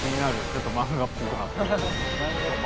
ちょっと漫画っぽくなってる。